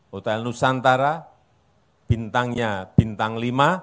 hotel nusantara bintangnya bintang lima